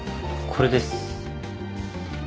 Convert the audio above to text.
これです。